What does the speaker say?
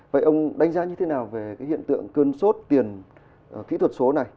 vậy ông đánh giá như thế nào về cái hiện tượng cơn sốt tiền kỹ thuật số này